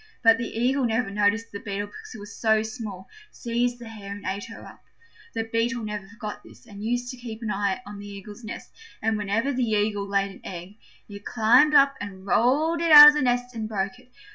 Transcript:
But the Eagle never noticed the Beetle because it was so small, seized the hare and ate her up. The Beetle never forgot this, and used to keep an eye on the Eagle's nest, and whenever the Eagle laid an egg it climbed up and rolled it out of the nest and broke it.